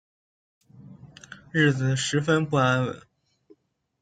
日子十分不安稳